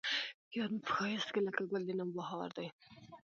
يار مې په ښايست کې لکه ګل د نوبهار دى